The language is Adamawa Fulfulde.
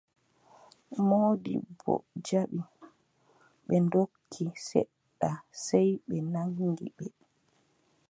Moodibbo jaɓi, ɓe ndokki, seɗɗa sey ɓe naŋgi ɓe.